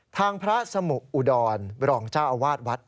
ทางพระสมุอุดรรองเจ้าอาวาสวัด